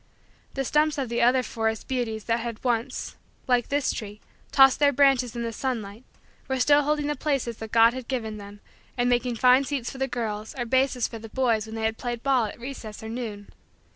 The stumps of the other forest beauties that had once, like this tree, tossed their branches in the sunlight were still holding the places that God had given them and made fine seats for the girls or bases for the boys when they played ball at recess or noon.